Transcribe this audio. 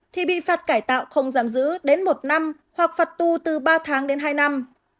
thì bị phạt cải tạo không giam giữ đến một năm hoặc phạt tù từ ba tháng đến hai năm